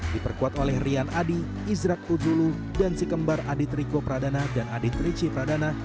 diperkuat oleh rian adi izrak udulu dan si kembar adit riko pradana dan adit rici pradana